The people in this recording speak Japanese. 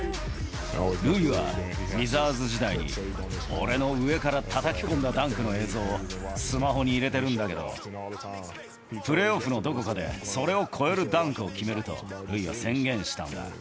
ルイはウィザーズ時代に、俺の上からたたき込んだダンクの映像をスマホに入れてるんだけど、プレーオフのどこかで、それを超えるダンクを決めると、ルイは宣言したんだ。